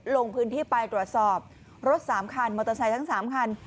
ลงพื้นที่ไปตรวจสอบรถ๓คันมอเตอร์ไซค์ทั้ง๓คัน